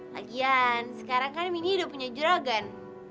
lagian sekarang kan mini udah punya juragan